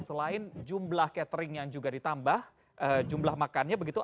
selain jumlah catering yang juga ditambah jumlah makannya begitu